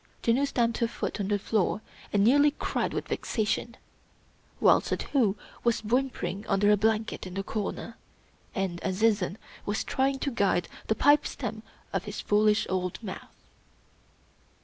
Janoo stamped her foot on the floor and nearly cried with vexation; while Suddhoo was whimpering under a blanket in the corner, and Azizun was trying to guide the pipe stem to his foolish old mouth.